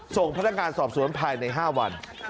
ส่งพนักงานสอบสวนภายใน๕วัน